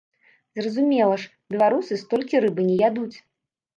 Зразумела ж, беларусы столькі рыбы не ядуць.